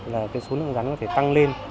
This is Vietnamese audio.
là cái số lượng rắn có thể tăng lên